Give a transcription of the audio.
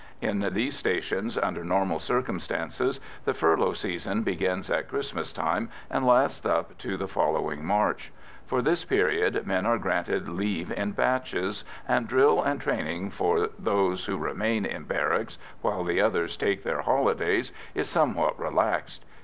In these stations, under normal circumstances, the furlough season begins at Christmas time and lasts up to the following March; for this period men are granted leave in batches, and drill and training for those who remain in barracks while the others take their holidays is somewhat relaxed.